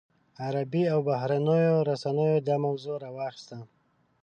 عربي او بهرنیو رسنیو دا موضوع راواخیسته.